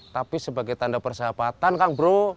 tapi sebagai tanda persahabatan kang bro